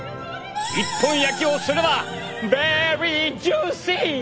一本焼きをすればベリージューシー！